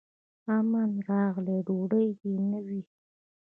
امن راغلی ډوډۍ دي نه وي